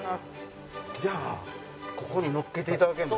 じゃあここにのっけて頂ける？